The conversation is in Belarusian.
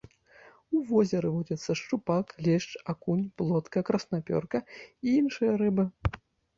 У возеры водзяцца шчупак, лешч, акунь, плотка, краснапёрка і іншыя рыбы.